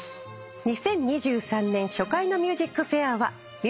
２０２３年初回の『ＭＵＳＩＣＦＡＩＲ』は。